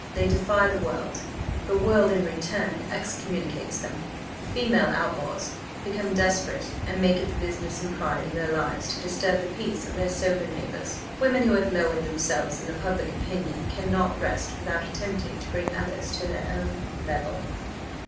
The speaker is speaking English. They defy the world the world in return excommunicates them the female outlaws become desperate, and make it the business and pride of their lives to disturb the peace of their sober neighbours. Women who have lowered themselves in the public opinion cannot rest without attempting to bring others to their own level."